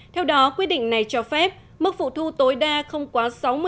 theo đó quyết định này cho phép mức phụ thu tối đa không quá sáu mươi